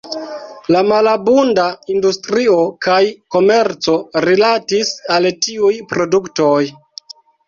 La malabunda industrio kaj komerco rilatis al tiuj produktoj.